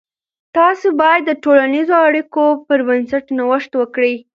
تاسې باید د ټولنیزو اړیکو پر بنسټ نوښت وکړئ.